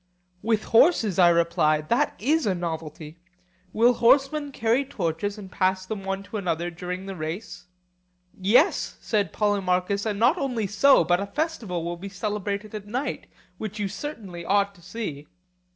With horses! I replied: That is a novelty. Will horsemen carry torches and pass them one to another during the race? Yes, said Polemarchus, and not only so, but a festival will be celebrated at night, which you certainly ought to see.